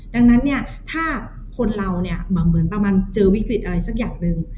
ดังนั้นเนี่ยถ้าคนเราเนี่ยเหมือนประมาณเจอวิกฤตอะไรสักอย่างหนึ่ง